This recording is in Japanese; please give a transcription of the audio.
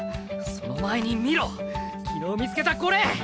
その前に見ろ昨日見つけたこれ！